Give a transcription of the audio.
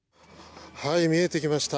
見えてきました。